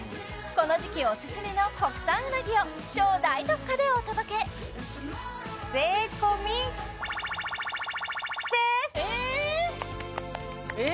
この時季おすすめの国産うなぎを超大特価でお届け税込○○ですえ！